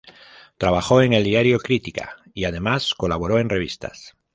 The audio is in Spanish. Trabajó en el diario "Crítica", y además colaboró en revistas.